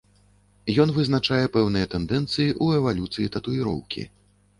Ён вызначае пэўныя тэндэнцыі ў эвалюцыі татуіроўкі.